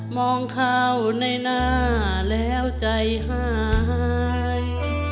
มองเข้าในหน้าแล้วใจหาย